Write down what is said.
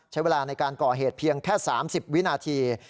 ใช้เวลาในการก่อเหตุเพียงแค่๓๐วินาที